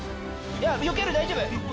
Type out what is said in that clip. よける大丈夫。